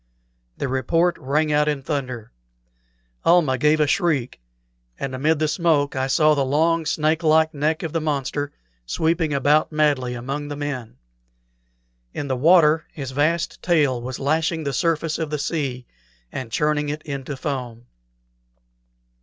The report rang out in thunder. Almah gave a shriek, and amid the smoke I saw the long, snake like neck of the monster sweeping about madly among the men. In the water his vast tail was lashing the surface of the sea, and churning it into foam.